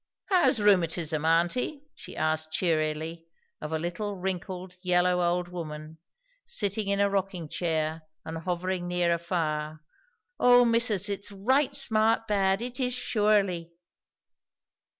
"How's rheumatism, aunty?" she asked cheerily of a little, wrinkled, yellow old woman, sitting in a rocking chair and hovering near a fire. "O missus, it's right smart bad! it is surely."